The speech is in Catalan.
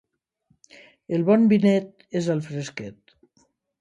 El bon vinet és el fresquet.